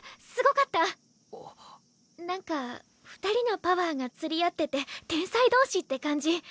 なんか二人のパワーが釣り合ってて天才同士って感じ。